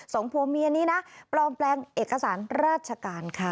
สองผัวเมียนี้นะปลอมแปลงเอกสารราชการค่ะ